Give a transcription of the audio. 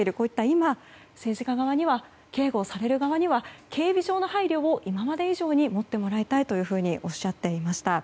今政治家側には、警護される側には警備上の配慮を今まで以上に持ってもらいたいとおっしゃっていました。